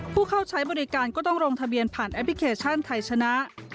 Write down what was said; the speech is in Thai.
ผู้เข้าใช้บริการก็ต้องลงทะเบียนผ่านแอปพลิเคชันไทยชนะ